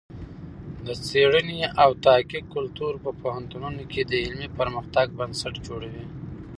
د څېړنې او تحقیق کلتور په پوهنتونونو کې د علمي پرمختګ بنسټ جوړوي.